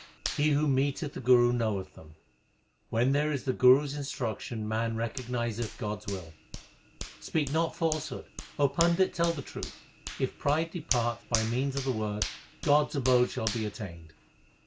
He who meeteth the Guru knoweth them. When there is the Guru s instruction man recognizeth God s will. Speak not falsehood ; O Pandit, tell the truth, If pride depart by means of the Word, God s abode shall be attained.